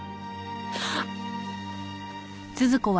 あっ。